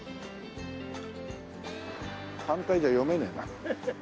反対じゃ読めねえな。